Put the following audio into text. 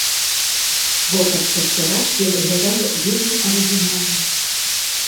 Вопратка спявачкі выглядае вельмі арыгінальна.